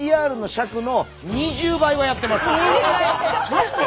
マジで？